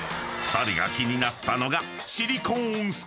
［２人が気になったのが］